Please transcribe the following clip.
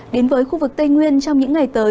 đến với khu vực tây nguyên trong những ngày tới